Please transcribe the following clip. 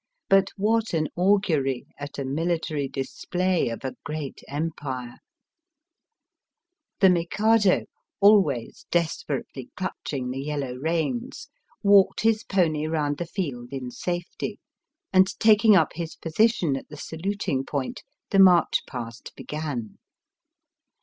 But what an augury at a military display of a great Empire ! The Mikado, always desperately clutching the yellow reins, walked his pony round the field in safety, and taking up his position at the saluting point, the march past began.